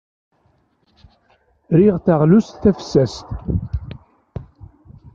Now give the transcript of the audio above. Riɣ taɣlust tafessast.